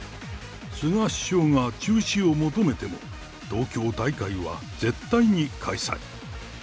菅首相が中止を求めても、東京大会は絶対に開催。